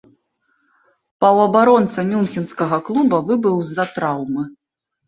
Паўабаронца мюнхенскага клуба выбыў з-за траўмы.